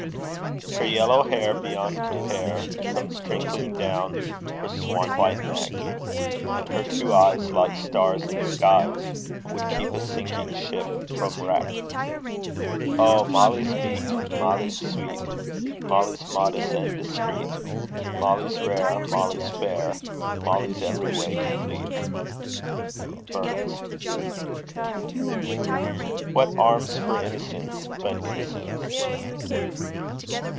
Her yellow hair, beyond compare, Comes trinkling down her swan white neck; And her two eyes, like stars in skies, Would keep a sinking ship frae wreck. Oh! Mally's meek, Mally's sweet, Mally's modest and discreet; Mally's rare, Mally's fair, Mally's every way complete. BURNS. What arms for innocence but innocence.